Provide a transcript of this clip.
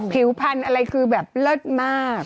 ผิวพันธุ์อะไรคือแบบเลิศมาก